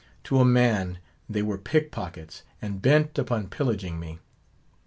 To a man, they were pickpockets, and bent upon pillaging me.